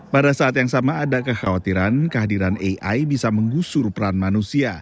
pada saat yang sama ada kekhawatiran kehadiran ai bisa menggusur peran manusia